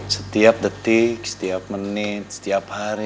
setiap detik setiap menit setiap hari